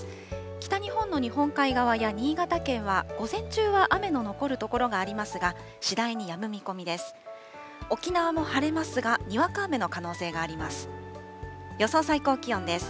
北日本の日本海側や新潟県は、午前中は雨の残る所がありますが、次第にやむ見込みです。